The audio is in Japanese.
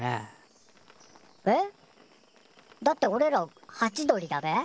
えっ？だっておれらハチドリだべ？